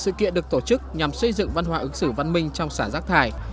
sự kiện được tổ chức nhằm xây dựng văn hóa ứng xử văn minh trong xả rác thải